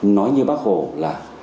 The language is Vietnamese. nói như bác hồ là